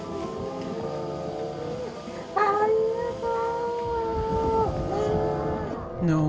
「ありがとう」